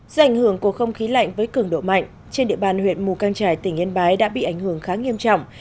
do ảnh hưởng của không khí lạnh với cường độ mạnh trên địa bàn huyện mù căng trải tỉnh yên bái đã bị ảnh hưởng khá nghiêm trọng